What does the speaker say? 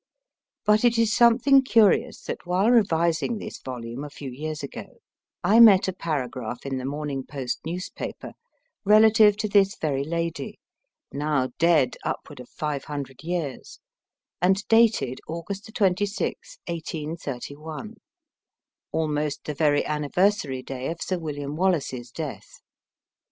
But it is something curious that while revising this volume a few years ago, I met a paragraph in the Morning Post newspaper, relative to this very lady now dead upward of five hundred years and dated August 26th, 1831; almost the very anniversary day of Sir William Wallace's death!